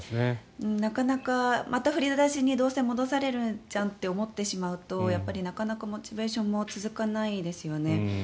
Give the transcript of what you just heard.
なかなか、また振り出しにどうせ戻されるじゃんと思ってしまうとやっぱりなかなかモチベーションも続かないですよね。